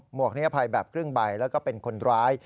วกนิอภัยแบบครึ่งใบแล้วก็เป็นคนร้าย